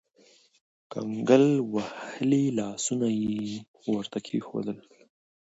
کنګل وهلي لاسونه يې ورته کېښودل.